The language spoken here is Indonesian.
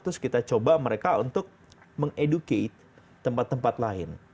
terus kita coba mereka untuk mengeducate tempat tempat lain